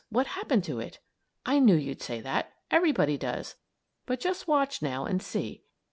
What happened to it?" I knew you'd say that. Everybody does. But just watch now and see.